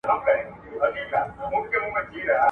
زه هوسۍ له لوړو څوکو پرزومه.